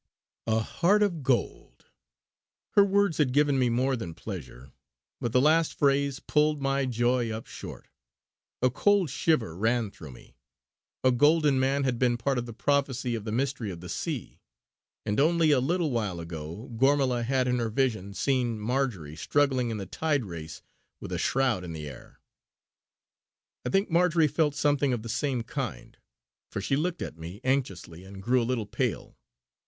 "A heart of gold!" Her words had given me more than pleasure; but the last phrase pulled my joy up short. A cold shiver ran through me. A golden man had been a part of the prophecy of the Mystery of the Sea; and only a little while ago Gormala had in her vision seen Marjory struggling in the tide race with a shroud in the air. I think Marjory felt something of the same kind, for she looked at me anxiously and grew a little pale.